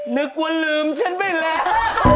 นึกว่าลืมฉันไปแล้ว